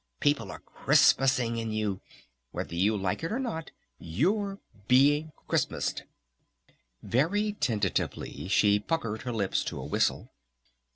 People are Christmasing in you! Whether you like it or not you're being Christmased!" Very tentatively she puckered her lips to a whistle.